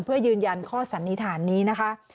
เพื่อยืนยันข้อสันนิษฐานนี้นะคะ